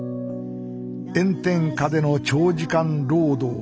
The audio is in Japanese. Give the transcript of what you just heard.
炎天下での長時間労働。